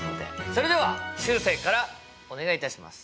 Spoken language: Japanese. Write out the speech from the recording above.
それではしゅうせいからお願いいたします。